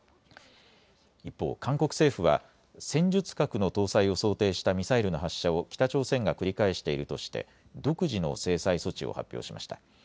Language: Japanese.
一方、韓国政府は戦術核の搭載を想定したミサイルの発射を北朝鮮が繰り返しているとして独自の制裁措置を発表しました。